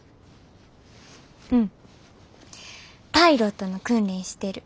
うんパイロットの訓練してる。